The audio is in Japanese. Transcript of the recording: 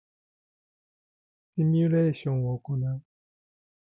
シミュレーションを行う